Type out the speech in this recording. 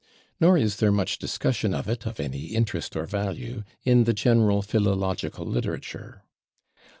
Nor is there much discussion of it, of any interest or value, in the general philological literature.